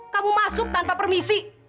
kamu masuk tanpa permisi